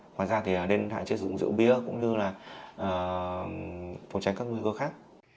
ngoài ra thì nên hạn chế sử dụng rượu bia cũng như là phòng tránh các nguy cơ khác